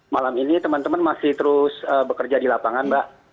malam ini teman teman masih terus bekerja di lapangan mbak